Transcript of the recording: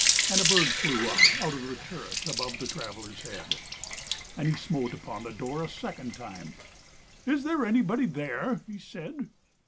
And a bird flew up out of the turret, Above the traveler's head: And he smote upon the door a second time; "Is there anybody there?" he said.